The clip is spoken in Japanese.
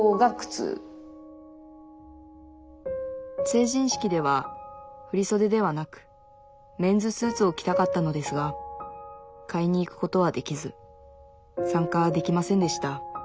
成人式では振り袖ではなくメンズスーツを着たかったのですが買いに行くことはできず参加できませんでした